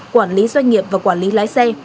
quản lý doanh nghiệp và quản lý lái xe